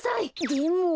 でも。